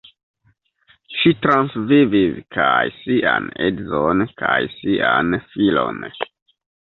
Ŝi transvivis kaj sian edzon kaj sian filon.